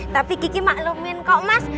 tapi kiki maklumin kok mas